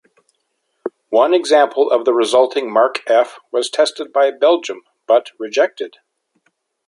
One example of the resulting Mark F was tested by Belgium, but rejected.